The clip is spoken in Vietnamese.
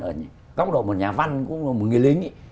ở góc độ một nhà văn một người lính